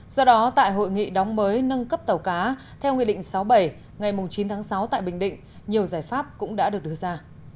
do đó tại hội nghị đóng mới nâng cấp tàu cá theo nghị định sáu bảy ngày chín tháng sáu tại bình định nhiều giải pháp cũng đã được đưa ra